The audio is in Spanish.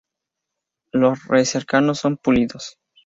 Los recercados son pulidos.